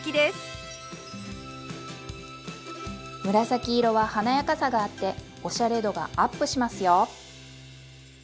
紫色は華やかさがあっておしゃれ度がアップしますよ。